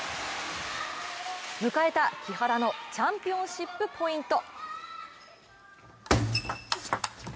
迎えた木原のチャンピオンシップポイント。